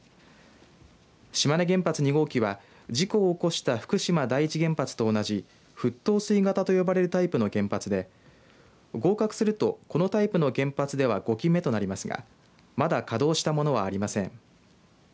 島根原発２号機は事故を起こした福島第一原発と同じ沸騰水型と呼ばれるタイプの原発で合格するとこのタイプの原発では５基目となりますがまだ稼働したものありません。